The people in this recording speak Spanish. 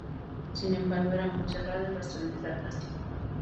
Sin embargo, era muy cerrado y bastante sarcástico.